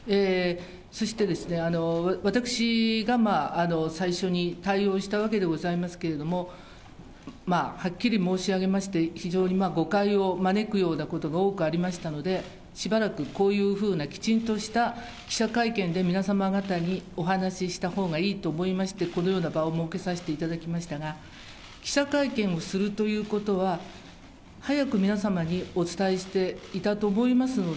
そして私が最初に対応したわけでございますけれども、まあ、はっきり申し上げまして、非常に誤解を招くようなことが多くありましたので、しばらく、こういうふうなきちんとした記者会見で皆様方にお話ししたほうがいいと思いまして、このような場を設けさせていただきましたが、記者会見をするということは、あっ！